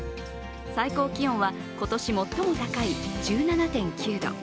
最高気温は今年最も高い１７．９度。